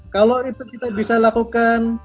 kalau itu kita bisa lakukan